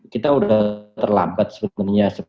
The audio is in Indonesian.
kita sudah terlambat sebenarnya